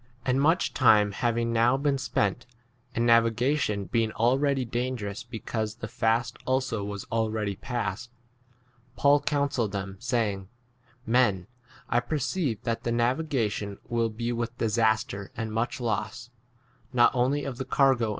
• And much time having now been spent, and navigation being already dangerous because the fast also was already past, 10 Paul counselled them, saying, Men, I perceive that the navigation will be with disaster and much loss, not only of the cargo and the ship, but * T.